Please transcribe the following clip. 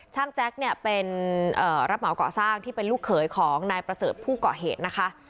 แจ๊คเนี่ยเป็นรับเหมาก่อสร้างที่เป็นลูกเขยของนายประเสริฐผู้ก่อเหตุนะคะ